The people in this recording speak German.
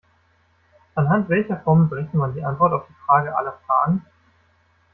Anhand welcher Formel berechnet man die Antwort auf die Frage aller Fragen?